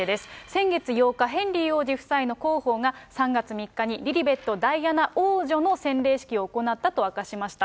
先月８日、ヘンリー王子夫妻の広報が、３月３日にリリベット・ダイアナ王女の洗礼式を行ったと明かしました。